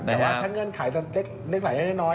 แต่ว่าเมื่อเงินขายเล็กน้อย